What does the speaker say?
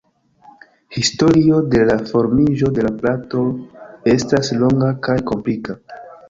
Historio de la formiĝo de la plato estas longa kaj komplika.